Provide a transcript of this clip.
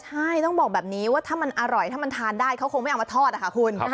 ใช่ต้องบอกแบบนี้ว่าถ้ามันอร่อยถ้ามันทานได้เขาคงไม่เอามาทอดค่ะคุณ